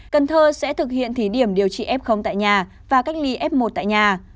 cần thơ sẽ thực hiện thí điểm điều trị f tại nhà và cách ly f một tại nhà